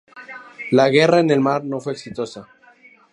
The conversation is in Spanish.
La guerra en el mar no fue exitosa.